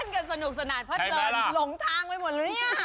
โอ้ยถ้าเป็นกันสนุกสนานพัดเริ่มหลงทางไปหมดแล้วเนี่ย